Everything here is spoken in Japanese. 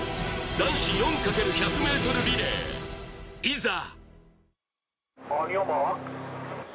男子４×１００ｍリレー、いざ。